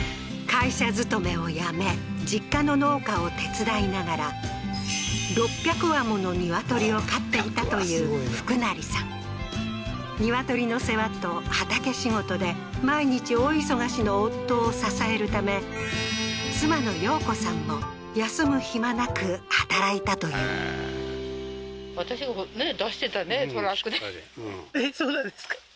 会社勤めを辞め実家の農家を手伝いながら６００羽もの鶏を飼っていたという福成さん鶏の世話と畑仕事で毎日大忙しの夫を支えるため妻の葉子さんも休む暇なく働いたというえっそうなんですか？